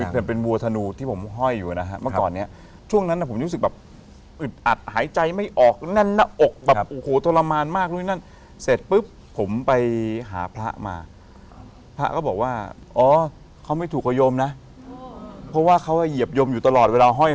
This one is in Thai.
เป็นเพราะใจคุณคิดว่าจะ๕มาตลอด